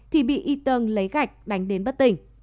thì bị eton lấy gạch đánh đến bất tỉnh